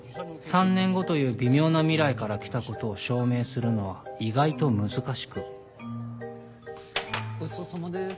３年後という微妙な未来から来たことを証明するのは意外と難しくごちそうさまです。